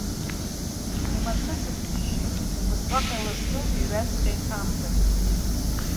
Имацәысыз џьишьеит, убасҟак иласны иҩаҵҟьеит амцабз.